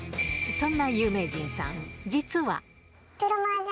そんな有名人さん